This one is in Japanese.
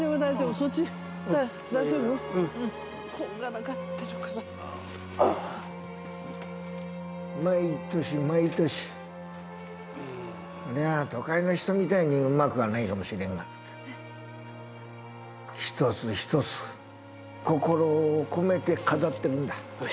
そりゃ都会の人みたいにうまくはないかもしれんが一つ一つ心を込めて飾ってるんだ